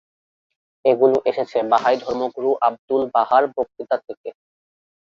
এগুলো এসেছে বাহাই ধর্মগুরু আবদুল-বাহা’র বক্তৃতা থেকে।